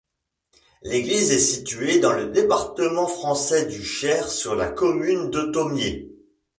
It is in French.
L'église est située dans le département français du Cher, sur la commune de Thaumiers.